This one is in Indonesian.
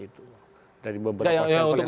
itu dari beberapa sampel yang saya ambil